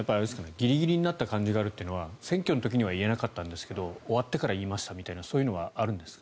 ギリギリになった感じがあるというのは選挙の時には言えなかったんですけど終わってから言いましたみたいなそういうのはあるんですか？